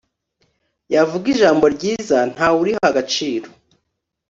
yavuga ijambo ryiza ntawuriha agaciro